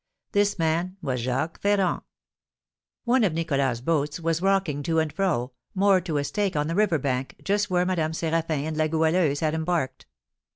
This man was Jacques Ferrand. One of Nicholas's boats was rocking to and fro, moored to a stake on the river's bank, just by where Madame Séraphin and La Goualeuse had embarked.